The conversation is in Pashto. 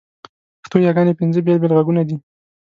پښتو یاګاني پینځه بېل بېل ږغونه دي.